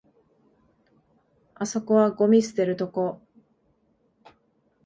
あそこはゴミ捨てるとこ